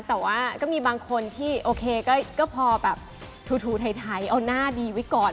แต่ว่าก็มีบางคนที่โอเคก็พอแบบถูไทยเอาหน้าดีไว้ก่อน